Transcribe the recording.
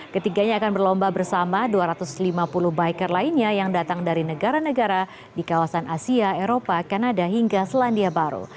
ketiganya akan berlomba bersama dua ratus lima puluh biker lainnya yang datang dari negara negara di kawasan asia eropa kanada hingga selandia baru